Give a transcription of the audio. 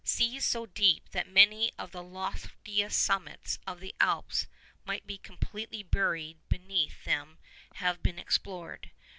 Seas so deep that many of the loftiest summits of the Alps might be completely buried beneath them have been explored.